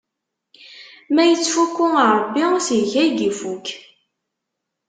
Ma ittfukku Ṛebbi, seg-k ad yi-ifukk!